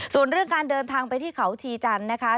ส่วนเรื่องการเดินทางไปที่เขาชีจันทร์นะคะ